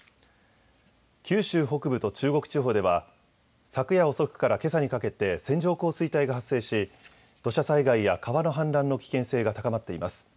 九州北部と中国地方では昨夜遅くからけさにかけて線状降水帯が発生し土砂災害や川の氾濫の危険性が高まっています。